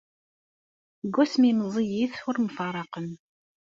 Seg wasmi i meẓẓiyit ur mfaraqen.